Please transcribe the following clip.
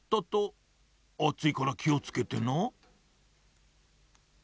あついからきをつけてな。